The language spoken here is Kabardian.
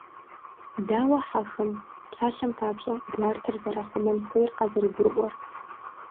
Дауэ хьэхэм, псалъэм папщӀэ, гуартэр зэрахъумэн хуейр къазэрыгурыӀуэр?